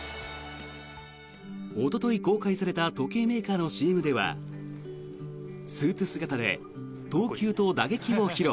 おととい公開された時計メーカーのＣＭではスーツ姿で投球と打撃を披露。